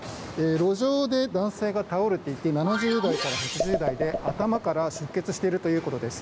路上で男性が倒れていて７０代から８０代で頭から出血しているということです。